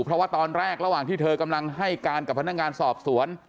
เพราะว่าตอนแรกระหว่างที่เธอกำลังให้การกับพนักงานสอบสวน